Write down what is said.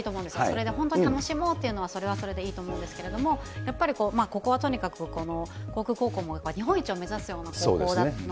それで本当に楽しもうっていうのは、それはそれでいいと思うんですけれども、やっぱりここはとにかく航空高校も日本一を目指すような高校だったんで。